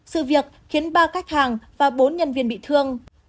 sự việc khiến ba khách hàng và bốn nhân viên bị thương